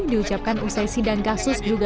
diucapkan usai sidang kasus juga